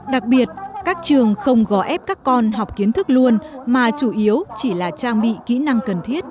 đặc biệt các trường không gò ép các con học kiến thức luôn mà chủ yếu chỉ là trang bị kỹ năng cần thiết